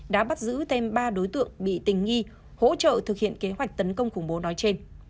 đã bắt giữ thêm ba đối tượng bị tình nghi hỗ trợ thực hiện kế hoạch tấn công khủng bố nói trên